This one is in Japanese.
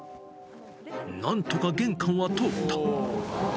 なんとか玄関は通った。